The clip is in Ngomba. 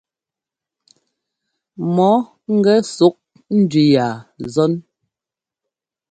Mɔ ŋgɛ ɛsuk ndʉ ya zɔ́n.